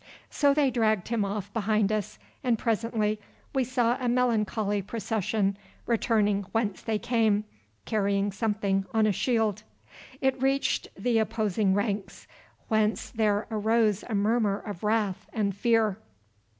So they dragged him off behind us, and presently we saw a melancholy procession returning whence they came, carrying something on a shield. It reached the opposing ranks, whence there arose a murmur of wrath and fear.